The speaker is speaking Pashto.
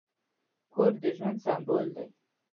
کور د ژوند سمبول دی.